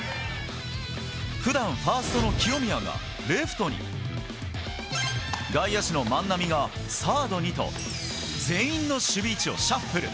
普段ファーストの清宮がレフトに外野手の万波がサードにと全員の守備位置をシャッフル。